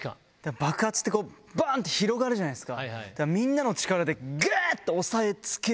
爆発ってバン！って広がるじゃないですか。